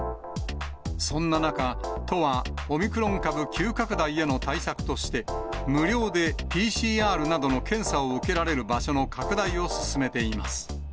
そんな中、都はオミクロン株急拡大への対策として、無料でＰＣＲなどの検査を受けられる場所の拡大を進めています。